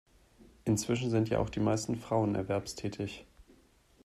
Inzwischen sind ja auch die meisten Frauen erwerbstätig.